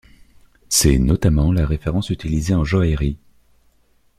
C'est, notamment, la référence utilisée en joaillerie.